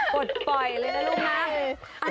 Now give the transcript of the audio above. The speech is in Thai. ปลดปล่อยเลยนะลูกค้า